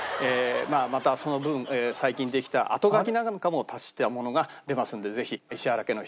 まあまたその分最近できたあとがきなんかも足したものが出ますのでぜひおかしいな。